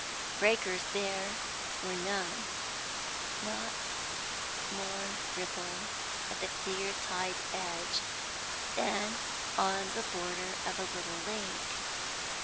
Breakers there were none, not more ripple at the clear tide edge than on the border of a little lake.